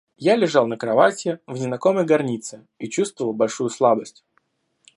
Я лежал на кровати, в незнакомой горнице, и чувствовал большую слабость.